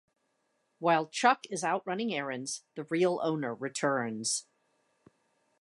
While Chuck is out running errands, the real owner returns.